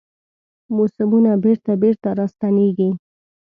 موسمونه بیرته، بیرته راستنیږي